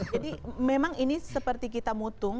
jadi memang ini seperti kita mutung